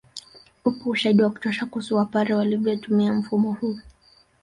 Upo ushahidi wa kutosha kuhusu Wapare walivyotumia mfumo huu